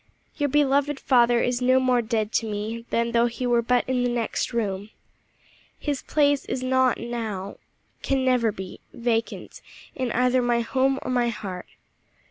Your beloved father is no more dead to me than though he were but in the next room. His place is not now can never be, vacant in either my home or my heart.